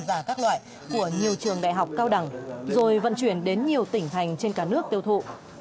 và các loại của nhiều trường đại học cao đẳng rồi vận chuyển đến nhiều tỉnh thành trên cả nước tiêu thụ